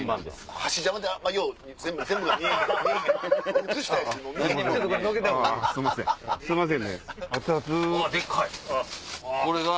すんません！